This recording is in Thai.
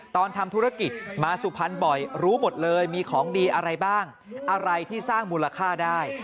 ตอนทำธุรกิจมาสุพรรณบ่อยรู้หมดเลยมีของดีอะไรบ้างอะไรที่สร้างมูลค่าได้